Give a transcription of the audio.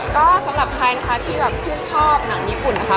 ก็สำหรับใครนะคะที่แบบชื่นชอบหนังญี่ปุ่นนะคะ